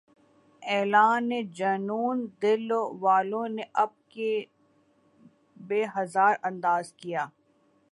اعلان جنوں دل والوں نے اب کے بہ ہزار انداز کیا